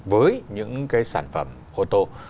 với những cái sản phẩm ô tô